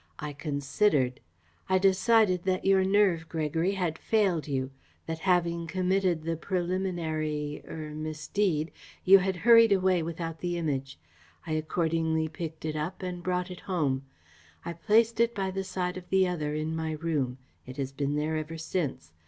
I considered. I decided that your nerve, Gregory, had failed you, that having committed the preliminary er misdeed, you had hurried away without the Image. I accordingly picked it up and brought it home. I placed it by the side of the other in my room. It has been there ever since.